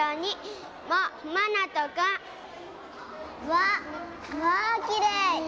「わあきれい」。